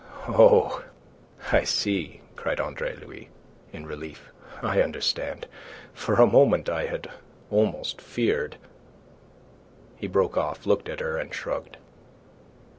"Oh, I see," cried Andre Louis, in relief. "I understand. For a moment I had almost feared..." He broke off, looked at her, and shrugged.